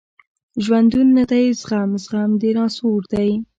ژوندون نه دی زخم، زخم د ناسور دی